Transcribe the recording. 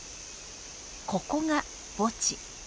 ここが墓地。